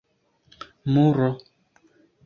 muro